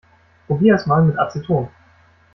Probier es mal mit Aceton.